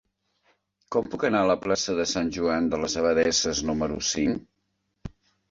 Com puc anar a la plaça de Sant Joan de les Abadesses número cinc?